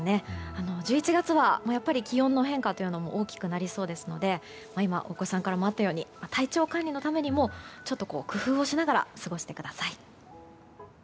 １１月はやっぱり気温の変化も大きくなりそうですので今、大越さんからもあったように体調管理のためにもちょっと工夫をしながら過ごしてください。